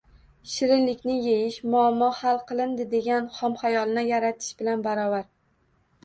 Shirinlikni yeyish – “muammo hal qilindi”, degan xomxayolni yaratish bilan barobar.